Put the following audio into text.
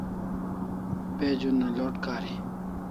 Page una load kari